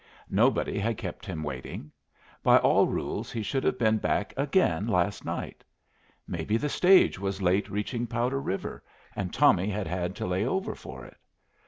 Nobody had kept him waiting. By all rules he should have been back again last night. Maybe the stage was late reaching Powder River, and Tommy had had to lay over for it.